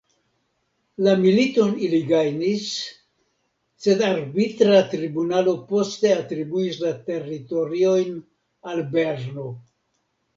La militon ili gajnis, sed arbitra tribunalo poste atribuis la teritoriojn al Berno.